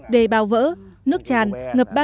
đề bào vỡ nước trà đã bị vỡ